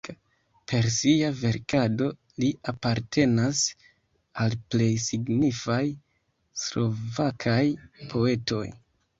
Per sia verkado li apartenas al plej signifaj slovakaj poetoj.